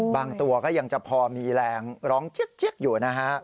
บางตัวก็ยังจะพอมีแรงร้องเจ๊กอยู่